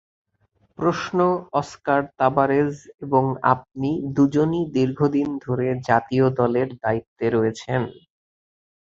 প্রশ্ন Oscar Tabarez এবং আপনি দুজনই দীর্ঘদিন ধরে জাতীয় দলের দায়িত্বে রয়েছেন।